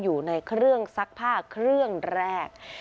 อยู่ในเครื่องซักผ้าเครื่องแรก